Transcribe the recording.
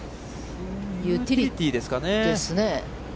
ユーティリティーですかね。